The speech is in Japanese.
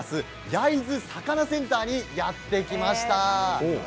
焼津さかなセンターにやって来ました。